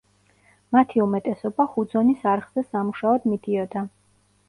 მათი უმეტესობა ჰუძონის არხზე სამუშაოდ მიდიოდა.